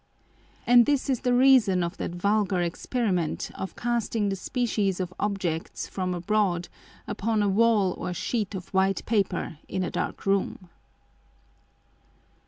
And this is the Reason of that vulgar Experiment of casting the Species of Objects from abroad upon a Wall or Sheet of white Paper in a dark Room.